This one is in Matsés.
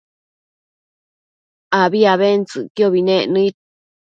abi abentsëcquiobi nec nëid